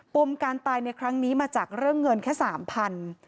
มการตายในครั้งนี้มาจากเรื่องเงินแค่๓๐๐บาท